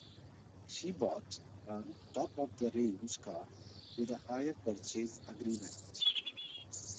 She bought a top-of-the-range car with a hire purchase agreement